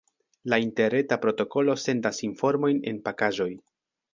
La interreta protokolo sendas informojn en pakaĵoj.